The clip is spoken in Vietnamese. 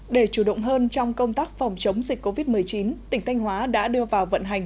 để chủ động hơn trong công tác phòng chống dịch covid một mươi chín tỉnh thanh hóa đã đưa vào vận hành